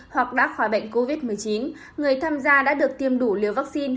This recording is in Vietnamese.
hoặc đá khóa bệnh covid một mươi chín người tham gia đã được tiêm đủ liều vaccine